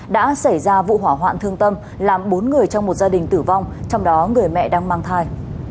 đã xảy ra vụ hỏa hoạn thương tâm làm bốn người trong một gia đình tử vong trong đó người mẹ đang mang thai